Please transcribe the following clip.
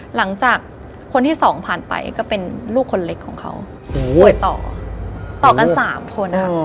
หลังจากคนที่สองผ่านไปก็เป็นลูกคนเล็กของเขาป่วยต่อต่อกัน๓คนนะคะ